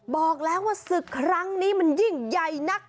บอกแล้วว่าศึกครั้งนี้มันยิ่งใหญ่นัก